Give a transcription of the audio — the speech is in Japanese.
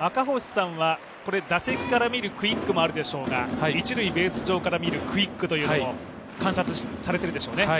赤星さんは打席から見るクイックもあるでしょうが、一塁ベース上から見るクイックも観察されているでしょうね。